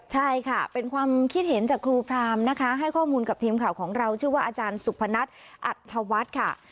ใช่ค่ะเป็นความคิดเห็นจากครูพรามนะคะให้ข้อมูลกับทีมข่าวของเราชื่อว่าอาจารย์สุพนัทอัธวัฒน์ค่ะ